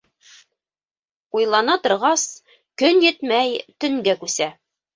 Уйлана торғас, көн етмәй, төнгә күсә.